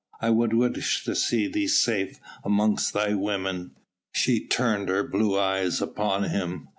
I would wish to see thee safe amongst thy women." She turned her blue eyes upon him.